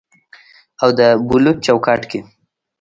او د بلوط چوکاټ کې